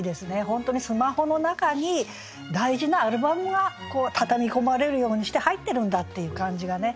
本当にスマホの中に大事なアルバムがたたみ込まれるようにして入ってるんだっていう感じがね。